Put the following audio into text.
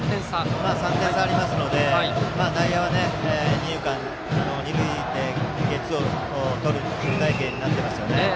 ３点差ありますから内野は二遊間、二塁でゲッツーをとる守備隊形になっていますね。